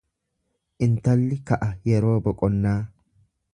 Intalli ka'a yeroo boqonnaa.